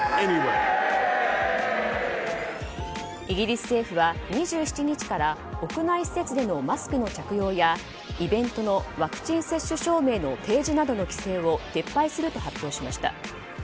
イギリス政府は２７日から屋内施設でのマスクの着用やイベントのワクチン接種証明の提示などの規制を撤廃すると発表しました。